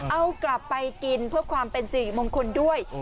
เอากลับไปกินเพื่อความเป็นสิริมงคลด้วย